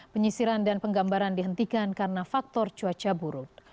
penyisiran dan penggambaran dihentikan karena faktor cuaca buruk